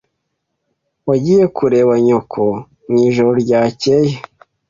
Wagiye kureba nyoko mwijoro ryakeye?